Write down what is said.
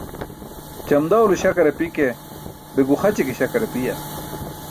Ćamdaw lo śakar api ke, be guxaći ke śakar apiya?